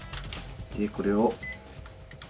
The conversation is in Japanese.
でこれを。